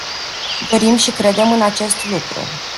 Dorim și credem în acest lucru.